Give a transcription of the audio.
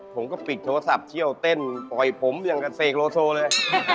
ผมก็ปิดโทรศัพท์เชี่ยวเต้นต่อยผมอย่างกับเสกโลโซเลย